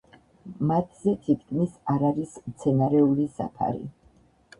მათზე თითქმის არ არის მცენარეული საფარი.